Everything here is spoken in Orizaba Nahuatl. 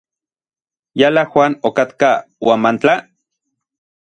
¿Yala Juan okatka Huamantla?